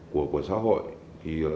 của xã hội